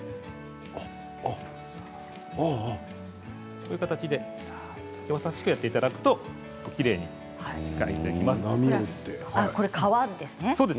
こういう形で優しくやっていただくときれいにできます。